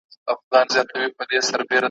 وږې پيشي د زمري سره جنکېږي `